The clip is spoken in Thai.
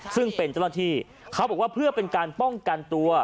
ซึ่งเป็นเจ้าหน้าที่เขาบอกว่าเพื่อเป็นการป้องกันตัว